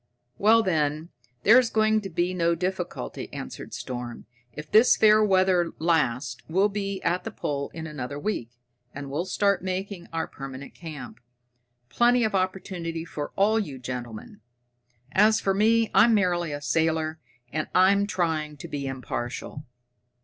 "Well, then, there's going to be no difficulty," answered Storm. "If this fair weather lasts, we'll be at the pole in another week, and we'll start making our permanent camp. Plenty of opportunity for all you gentlemen. As for me, I'm merely a sailor, and I'm trying to be impartial.